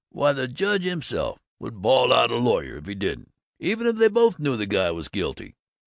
Why, the Judge himself would bawl out a lawyer that didn't, even if they both knew the guy was guilty!